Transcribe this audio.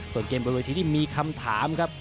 ส่วนเกมบนเวทีที่มีคำถามครับ